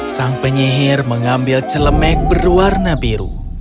sang penyihir mengambil celemek berwarna biru